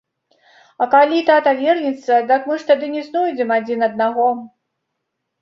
А калі тата вернецца, дык мы ж тады не знойдзем адзін аднаго.